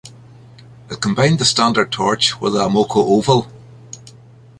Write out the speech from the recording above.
It combined the Standard torch with the Amoco oval.